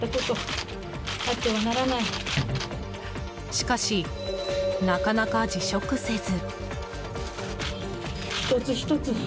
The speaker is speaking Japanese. しかし、なかなか辞職せず。